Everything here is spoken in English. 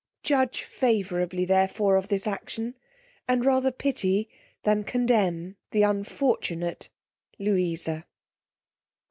'Judge favourably, therefore, of this action, and rather pity than condemn the unfortunate LOUISA.'